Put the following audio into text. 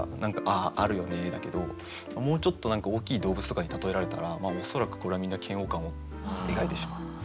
だけどもうちょっと何か大きい動物とかに例えられたら恐らくこれはみんな嫌悪感を抱いてしまう。